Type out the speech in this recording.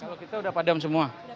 kalau kita sudah padam semua